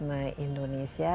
anggap kalian lebih berusia